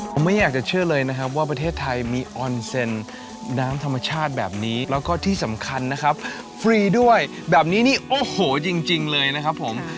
ผมไม่อยากจะเชื่อเลยนะครับว่าประเทศไทยมีออนเซ็นน้ำธรรมชาติแบบนี้แล้วก็ที่สำคัญนะครับฟรีด้วยแบบนี้นี่โอ้โหจริงเลยนะครับผม